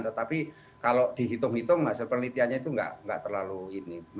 tetapi kalau dihitung hitung hasil penelitiannya itu nggak terlalu ini